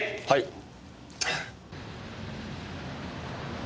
はい。